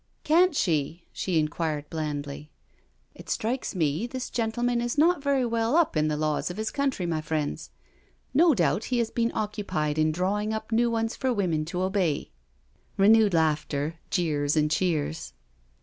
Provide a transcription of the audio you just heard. *' Can't she?" she inquired blandly. " It strikes me this gentleman is not very well up in the laws of his country, my friends. No doubt he has been occupied in drawing up new ones for women to obey." Renewed laughter, jeers and cheers.